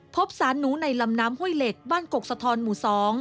พบสารหนูในลำน้ำห้วยเหล็กบ้านกกสะท้อนหมู่๒